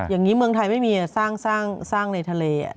อย่างนี้เมืองไทยไม่มีสร้างในทะเล